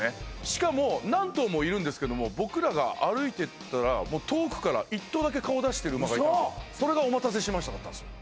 しかも何頭もいるんですけども僕らが歩いてったらもう遠くから１頭だけ顔を出してる馬がいたりそれがオマタセシマシタだったんですよ